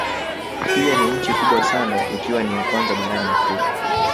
Pia ni nchi kubwa sana ikiwa ni ya kwanza barani Afrika